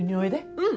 うん。